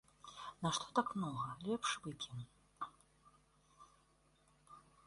Нашто так многа, лепш вып'ем.